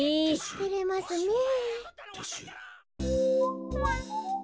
てれますねえ。